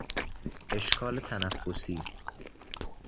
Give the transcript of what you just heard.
اشکال تنفسی